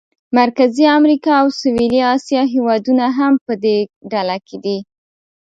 مرکزي امریکا او سویلي اسیا هېوادونه هم په دې ډله کې دي.